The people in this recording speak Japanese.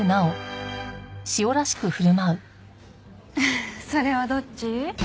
フフッそれはどっち？